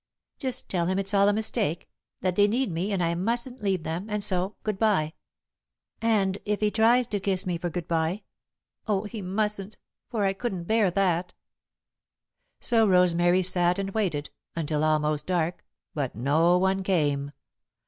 "Just tell him it's all a mistake, that they need me and I mustn't leave them, and so good bye. And if he tries to kiss me for good bye oh, he mustn't, for I couldn't bear that!" So Rosemary sat and waited until almost dark, but no one came.